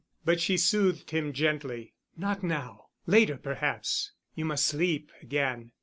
But she soothed him gently. "Not now—later perhaps. You must sleep again.